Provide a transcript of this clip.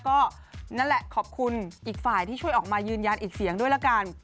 ก็นั่นแหละขอบคุณอีกฝ่ายที่ช่วยออกมายืนยันอีกเสียงด้วยละกัน